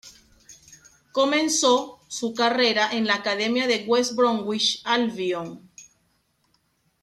Comenzó su carrera en la academia del West Bromwich Albion.